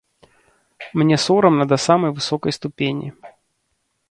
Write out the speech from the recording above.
Мне сорамна да самай высокай ступені.